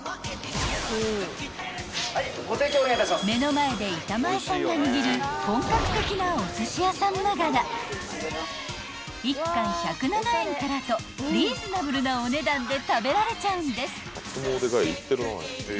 ［目の前で板前さんが握る本格的なおすし屋さんながら１貫１０７円からとリーズナブルなお値段で食べられちゃうんです］